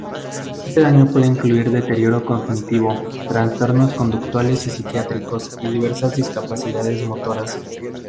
Este daño puede incluir deterioro cognitivo, trastornos conductuales y psiquiátricos y diversas discapacidades motoras.